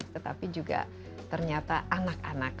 tetapi juga ternyata anak anak